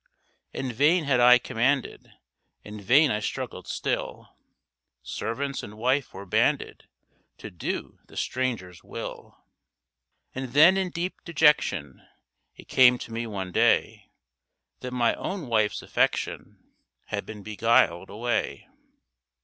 In vain had I commanded, In vain I struggled still, Servants and wife were banded To do the stranger's will. And then in deep dejection It came to me one day, That my own wife's affection Had been beguiled away.